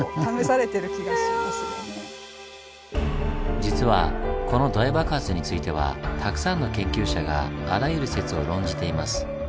実はこの大爆発についてはたくさんの研究者があらゆる説を論じています。